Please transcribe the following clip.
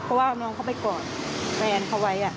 เพราะว่าน้องเขาไปกอดแฟนเขาไว้